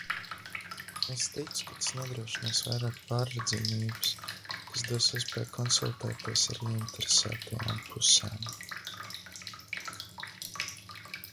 Es ticu, ka tas nodrošinās vairāk pārredzamības, kas dos iespēju konsultēties ar ieinteresētajām pusēm.